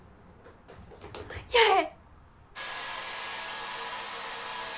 八重。